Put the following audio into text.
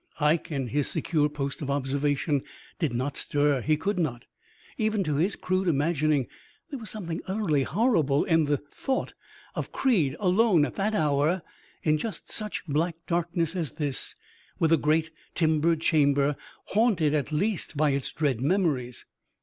"Ike in his secure post of observation did not stir. He could not. Even to his crude imagining there was something utterly horrible in the thought of Creed alone at that hour in just such black darkness as this, with the great timbered chamber haunted at least by its dread memories.